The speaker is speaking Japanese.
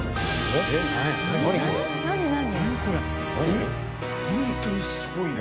えっホントにすごいな。